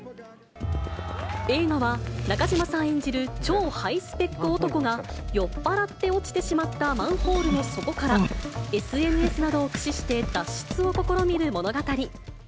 映画は、中島さん演じる超ハイスペック男が、酔っ払って落ちてしまったマンホールの底から、ＳＮＳなどを駆使して、脱出を試みる物語。